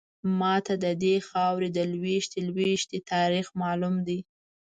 ماته ددې خاورې د لویشتې لویشتې تاریخ معلوم دی.